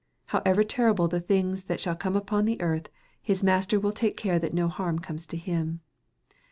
However terrible the things thai shall come upon the earth, his Master will take care that no harm comes to him.